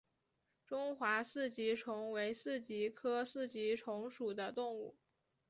中华四极虫为四极科四极虫属的动物。